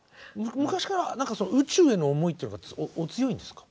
昔から宇宙への思いというのがお強いんですか？